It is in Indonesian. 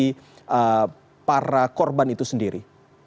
bagaimana dengan arahan dari para korban itu sendiri